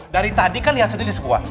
dari tadi kan lihat sendiri sebuah